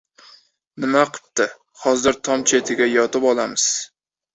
Nima qipti? Hozir tom chetiga yetib olamiz!